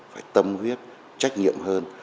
phải tâm huyết trách nhiệm hơn